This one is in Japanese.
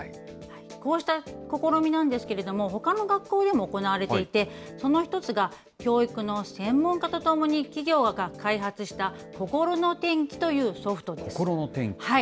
こうした試みなんですけれども、ほかの学校でも行われていて、その一つが教育の専門家とともに企業が開発した、心の天気という心の天気。